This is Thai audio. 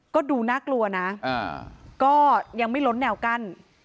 ก็ดูน่ากลัวนะก็ยังไม่ล้นแนวกั้น